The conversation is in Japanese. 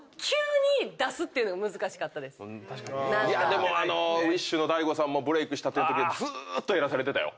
でもウィッシュのＤＡＩＧＯさんもブレークしたてのときはずーっとやらされてたよ。